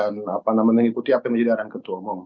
apa namanya mengikuti apa yang menjadi arahan ketua umum